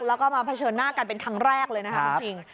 แล้วก็มาเผชิญหน้ากันเป็นครั้งแรกเลยนะคะคุณคิง